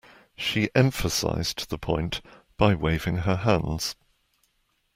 She emphasised the point by waving her hands.